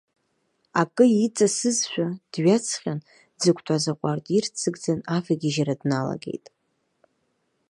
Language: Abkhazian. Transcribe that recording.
Акы иҵасызшәа дҩаҵҟьан, дзықәтәаз аҟәардә ирццакӡан авагьежьра днала-геит.